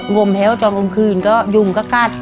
งมแฮลตอนกลมคืนก็ยุ่งกัด